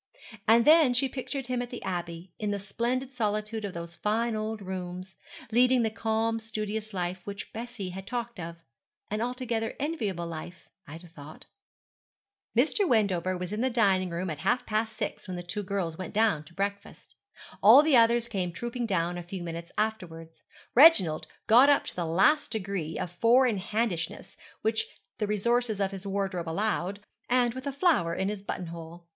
And then she pictured him at the Abbey, in the splendid solitude of those fine old rooms, leading the calm, studious life which Bessie had talked of an altogether enviable life, Ida thought. Mr. Wendover was in the dining room at half past six when the two girls went down to breakfast. All the others came trooping down a few minutes afterwards, Reginald got up to the last degree of four in handishness which the resources of his wardrobe allowed, and with a flower in his buttonhole.